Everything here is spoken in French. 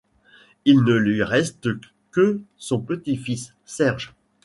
Il ne lui reste que son petit-fils, Serge.